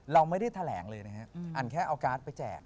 เราไม่ได้แถลงเลยนะฮะอันแค่เอาการ์ดไปแจก